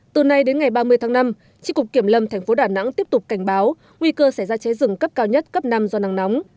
từ nay đến ngày ba mươi tháng năm tri cục kiểm lâm thành phố đà nẵng tiếp tục cảnh báo nguy cơ sẽ ra cháy rừng cấp cao nhất cấp năm do nắng nóng